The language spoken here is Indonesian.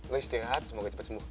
lo istirahat semoga cepat sembuh